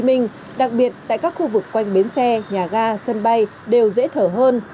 nhưng đặc biệt tại các khu vực quanh biến xe nhà ga sân bay đều dễ thở hơn